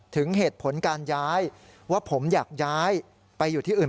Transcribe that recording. ถึงเหตุผลการย้ายว่าผมอยากย้ายไปอยู่ที่อื่น